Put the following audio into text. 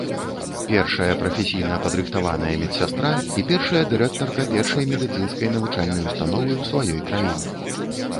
Першая прафесійна падрыхтаваная медсястра і першая дырэктарка першай медыцынскай навучальнай ўстановы ў сваёй краіне.